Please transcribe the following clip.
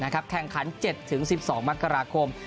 แข่งขัน๗๑๒มกราคม